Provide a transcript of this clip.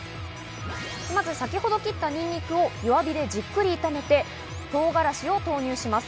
まず先ほど切ったにんにくを弱火でじっくり炒めて唐辛子を投入します。